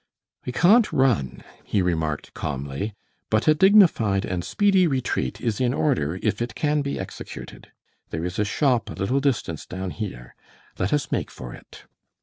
"We can't run," he remarked, calmly, "but a dignified and speedy retreat is in order if it can be executed. There is a shop a little distance down here. Let us make for it."